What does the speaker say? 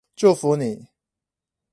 祝福你